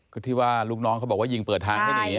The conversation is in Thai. คือที่ว่าลูกน้องเขาบอกว่ายิงเปิดทางให้หนี